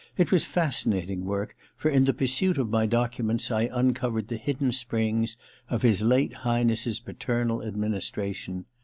It was fascinating work, for in the pursuit of my documents I uncovered the hidden springs of his late High nesses paternal administration.